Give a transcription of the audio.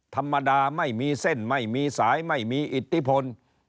ธรรมดาไม่มีเส้นไม่มีสายไม่มีอิทธิพล